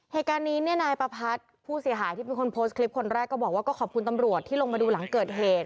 เหตุการณ์นี้เนี่ยนายประพัทธ์ผู้เสียหายที่เป็นคนโพสต์คลิปคนแรกก็บอกว่าก็ขอบคุณตำรวจที่ลงมาดูหลังเกิดเหตุ